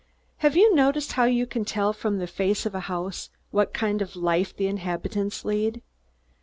Have you noticed how you can tell from the face of a house what kind of life the inhabitants lead?